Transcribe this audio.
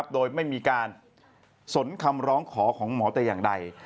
โดยไม่มีการสนคำร้องขอของหมอแต่อย่างใด